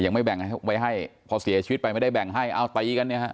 ยังไม่แบ่งให้ไว้ให้พอเสียชีวิตไปไม่ได้แบ่งให้เอาตีกันเนี่ยฮะ